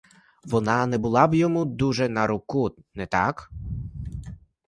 Вона не була би йому дуже на руку, не так?